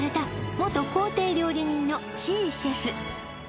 元公邸料理人の地井シェフ